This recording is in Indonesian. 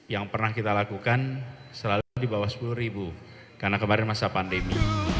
yang pernah kita lakukan selalu di bawah sepuluh ribu karena kemarin masa pandemi